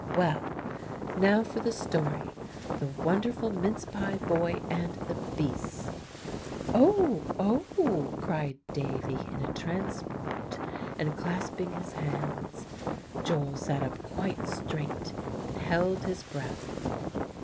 Well, now for the story, 'The Wonderful Mince Pie Boy and the Beasts.'" "Oh, oh!" cried Davie in a transport, and clasping his hands. Joel sat up quite straight, and held his breath.